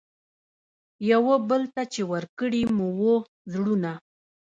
یوه بل ته چي ورکړي مو وه زړونه